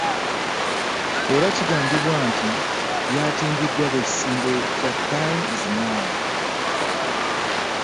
Era kigambibwa nti byatimbiddwa ab'ekisinde kya ‘Time is Now'